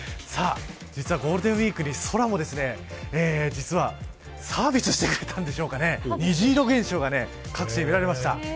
実はゴールデンウイークに、空も実はサービスしてくれたんでしょうか虹色現象が観測できました。